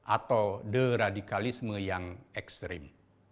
atau deradikalisme yang ekstrim